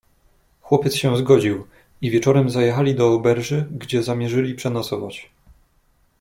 "Chłopiec się zgodził i wieczorem zajechali do oberży, gdzie zamierzyli przenocować."